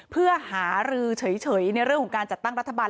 เพื่อหารือเฉยในเรื่องของการจัดตั้งรัฐบาล